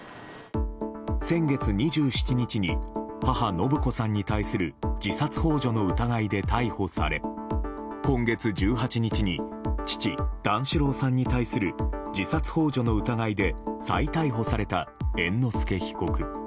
先月２７日に母・延子さんに対する自殺幇助の疑いで逮捕され今月１８日に父・段四郎さんに対する自殺幇助の疑いで再逮捕された猿之助被告。